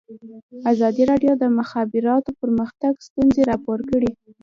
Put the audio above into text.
ازادي راډیو د د مخابراتو پرمختګ ستونزې راپور کړي.